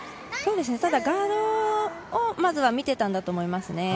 ガードをまずは見ていたんだと思います。